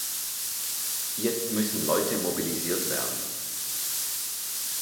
Jetzt müssen Leute mobilisiert werden.